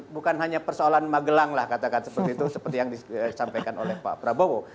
bukan hanya persoalan magelang lah katakan seperti itu seperti yang disampaikan oleh pak prabowo